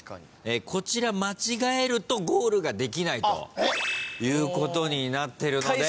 こちら間違えるとゴールができないということになってるので。